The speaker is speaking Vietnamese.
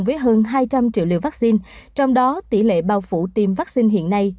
với hơn hai trăm linh triệu liều vaccine trong đó tỷ lệ bao phủ tiêm vaccine hiện nay